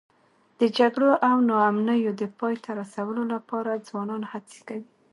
د جګړو او ناامنیو د پای ته رسولو لپاره ځوانان هڅې کوي.